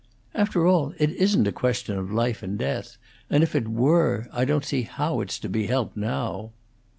"After all, it isn't a question of life and death; and, if it were, I don't see how it's to be helped now."